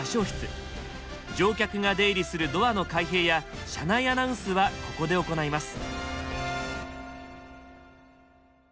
乗客が出入りするドアの開閉や車内アナウンスはここで行います。